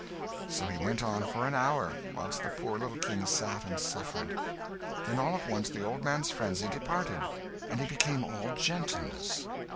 So he went on, for an hour, whilst the poor little King sat and suffered. Then all at once the old man's frenzy departed, and he became all gentleness.